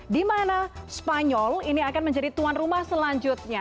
di mana spanyol ini akan menjadi tuan rumah selanjutnya